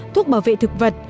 thuốc bảo vệ thực vật